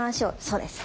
そうです。